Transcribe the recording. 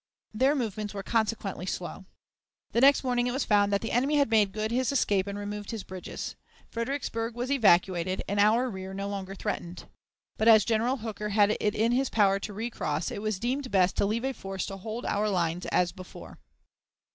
Their movements were consequently slow. The next morning it was found that the enemy had made good his escape and removed his bridges. Fredericksburg was evacuated, and our rear no longer threatened. But, as General Hooker had it in his power to recross, it was deemed best to leave a force to hold our lines as before.